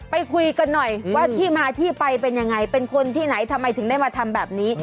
ไปคุยกันหน่อยว่าที่มาที่ไปเป็นยังไงเป็นคนที่ไหนทำไมถึงได้มาทำแบบนี้